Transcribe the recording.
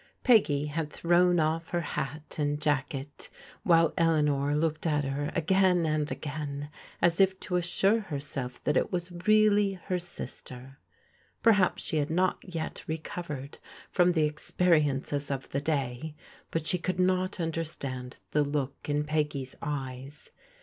Peggy had thrown off her hat and jacket, while Eleanor looked at her again and again as if to assure herself that it was really her sister. Perhaps she had not yet recovered from the experi ences of the day, but she could not understand the look in Peggy's eyes.